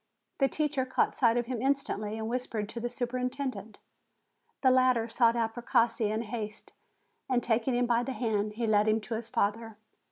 The teacher caught sight of him instantly, and whispered to the superintendent. The latter sought out Precossi in haste, and taking him by the hand, he led him to his father.